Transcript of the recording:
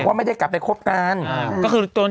ว่าไม่ได้กลับไปครบกัน